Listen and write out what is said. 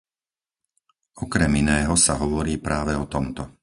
Okrem iného sa hovorí práve o tomto.